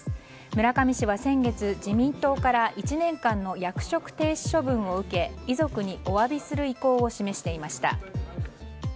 村上氏は先月自民党から１年間の役職停止処分を受け遺族にお詫びする意向を示していました。